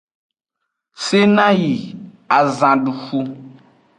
Sena yi azanduxu.